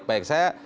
baik baik saya